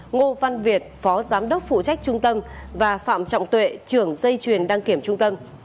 ngô văn việt phó giám đốc phụ trách trung tâm và phạm trọng tuệ trưởng dây truyền đăng kiểm trung tâm